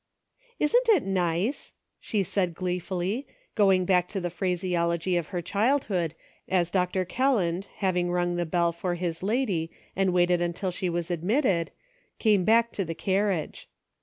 "Isn't it nice.^" she said gleefully, going back to the phraseology of her childhood, as Dr. Kel land, having rung the bell for his lady and waited until she was admitted, came back to the carriage.